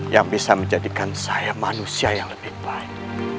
yang bisa menjadikan saya manusia yang lebih baik